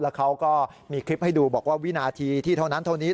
เขาก็มีคลิปให้ดูบอกว่าวินาทีที่เท่านั้นเท่านี้